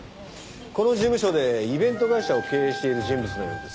この事務所でイベント会社を経営している人物のようです。